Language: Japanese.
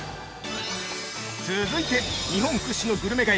◆続いて、日本屈指のグルメ街